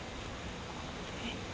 えっ？